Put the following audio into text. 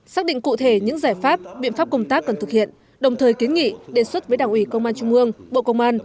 xác định cụ thể những giải pháp biện pháp công tác cần thực hiện đồng thời kiến nghị đề xuất với đảng ủy công an trung ương bộ công an